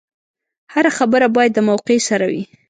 هره خبره باید د موقع سره وي.